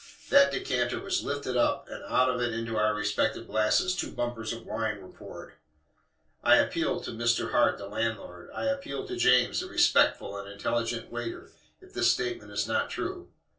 That decanter was LIFTED UP, and out of it into our respective glasses two bumpers of wine were poured. I appeal to Mr. Hart, the landlord I appeal to James, the respectful and intelligent waiter, if this statement is not true?